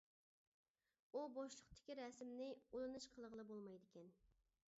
ئۇ بوشلۇقتىكى رەسىمنى ئۇلىنىش قىلغىلى بولمايدىكەن.